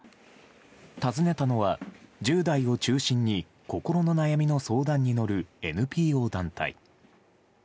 訪ねたのは、１０代を中心に心の悩みの相談に乗るＮＰＯ団体。